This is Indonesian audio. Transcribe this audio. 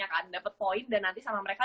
kan dapet poin dan nanti sama mereka